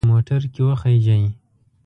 په موټر کې وخیژئ.